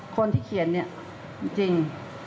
คนที่เขียนเนี่ยจริง